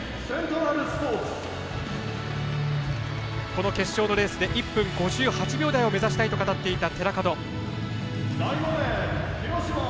この決勝のレースで１分５８秒台を目指したいと話していた寺門。